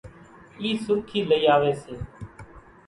اِي سُرکِي لئِي آويَ سي۔